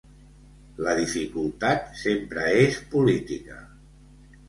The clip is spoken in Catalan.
La dificultat sempre és política.